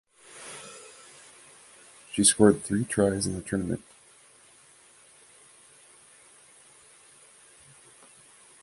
She scored three tries in the tournament.